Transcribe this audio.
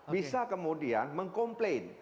bisa kemudian mengkomplain